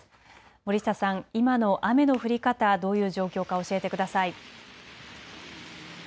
森下さん、今の雨の降り方、どういう状況か教えてください。